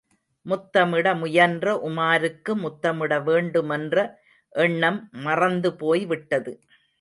முத்தமிட முயன்ற உமாருக்கு முத்தமிட வேண்டுமென்ற எண்ணம் மறந்து போய் விட்டது.